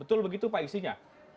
betul begitu pak isinya